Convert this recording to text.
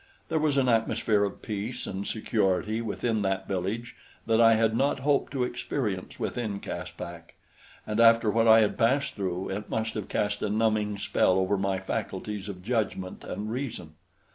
There was an atmosphere of peace and security within that village that I had not hoped to experience within Caspak, and after what I had passed through, it must have cast a numbing spell over my faculties of judgment and reason.